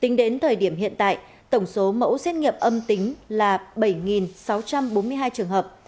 tính đến thời điểm hiện tại tổng số mẫu xét nghiệm âm tính là bảy sáu trăm bốn mươi hai trường hợp